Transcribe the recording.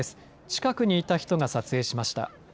近くにいた人が撮影しました。